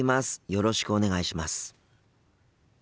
よろしくお願いします。